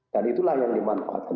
dan itulah yang dimanfaatkan